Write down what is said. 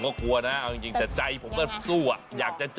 ก็กลัวนะเอาจริงแต่ใจผมก็สู้อะอยากจะเจอ